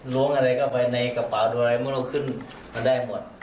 ล้วงอะไรก็ไปในกระเป๋าโดราไอมอนก็ขึ้นมาได้หมด